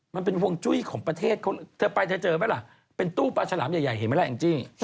มันเป็นห่วงจุ้ยของประเทศเขาเธอไปเธอเจอไหมล่ะเป็นตู้ปลาฉลามใหญ่เห็นไหมล่ะแองจี้